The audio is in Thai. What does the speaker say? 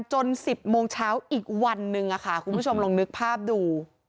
๑๐โมงเช้าอีกวันนึงคุณผู้ชมลองนึกภาพดู